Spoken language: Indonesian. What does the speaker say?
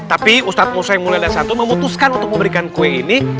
tapi ustaz musa yang mulia dari satu memutuskan untuk memberikan kue ini